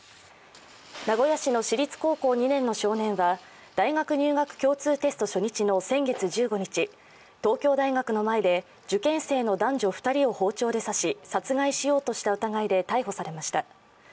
名古屋市の私立高校２年の少年は、大学入学共通テスト初日の先月１５日、東京大学の前で受験生の男女２人を包丁で刺し殺害しようとした疑いで逮捕されました。